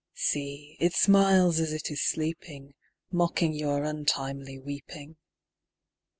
See, it smiles as it is sleeping, _5 Mocking your untimely weeping.